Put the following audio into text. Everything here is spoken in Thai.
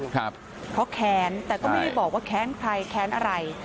ครับเขาแขนแต่ก็ไม่ได้บอกว่าแขนใครแขนอะไร